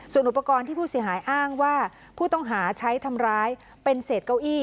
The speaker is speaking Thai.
ส่วนอุปกรณ์ที่ผู้เสียหายอ้างว่าผู้ต้องหาใช้ทำร้ายเป็นเศษเก้าอี้